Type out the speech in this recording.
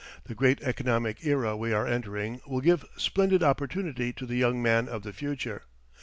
The great economic era we are entering will give splendid opportunity to the young man of the future.